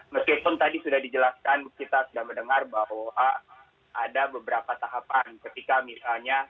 meskipun tadi sudah dijelaskan kita sudah mendengar bahwa ada beberapa tahapan ketika misalnya